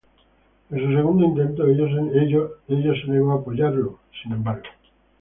En su segundo intento, ella se negó a apoyarlo sin embargo.